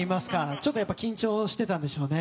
ちょっと緊張していたんでしょうね。